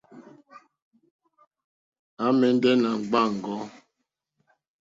À mɛ̀ndɛ̀ nà gbàáŋgò.